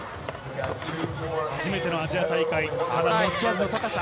初めてのアジア大会、持ち味の高さ。